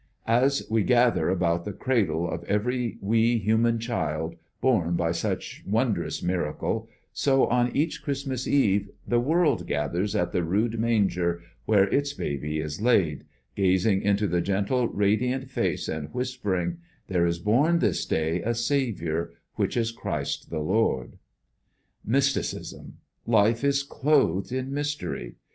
As we gather about the cradle of every wee human child, born by such wondrous miracle, so on each Christmas Eve the world gathers at the rude manger where its Baby is laid, gazing into the gentle, radiant face, and whispering, "There is born this day a Saviour, which is Christ the Lord!" "Mysticism," life is clothed in mystery!